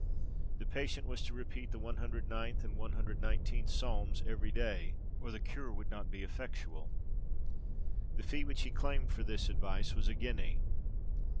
The patient was to repeat the 109th and 119th Psalms every day, or the cure would not be effectual. The fee which he claimed for this advice was a guinea.